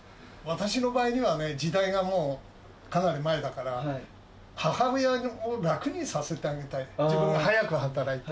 私の場合には、時代がもうかなり前だから、母親を楽にさせてあげたい、自分が早く働いて。